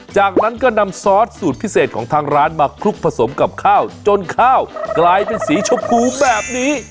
จากนั้นก็นำซอสสูตรพิเศษของทางร้านมาคลุกผสมกับข้าวจนข้าวกลายเป็นสีชมพูแบบนี้